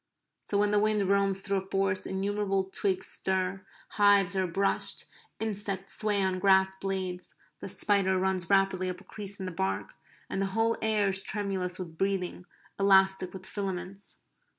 So when the wind roams through a forest innumerable twigs stir; hives are brushed; insects sway on grass blades; the spider runs rapidly up a crease in the bark; and the whole air is tremulous with breathing; elastic with filaments.